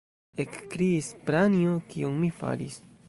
ekkriis Pranjo: kion mi faris?